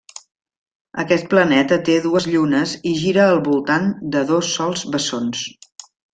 Aquest planeta té dues llunes i gira al voltant de dos sols bessons.